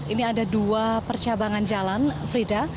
ini ada dua percabangan jalan frida